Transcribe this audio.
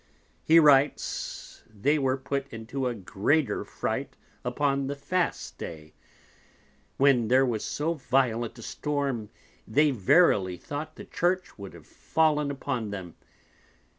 He writes, they were put into a greater Fright upon the Fast day; when there was so violent a Storm, they verily thought the Church would have fallen upon them.